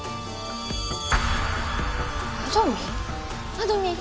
あどミン？